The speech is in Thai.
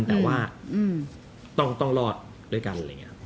แต่ว่าต้องรอดด้วยกัน